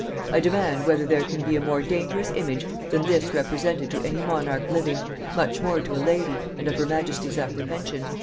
I demand whether there can be a more dangerous image than this represented to any monarch living, much more to a lady, and of her majesty's apprehension?